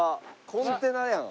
コンテナやん。